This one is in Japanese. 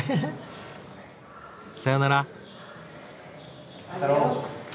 さようなら。